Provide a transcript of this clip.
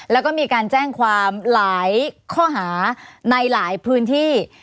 แล้วก็มีการแจ้งความหลายข้อหาในหลายพื้นที่